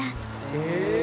へえ。